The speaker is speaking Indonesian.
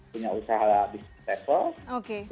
punya usaha bisnis travel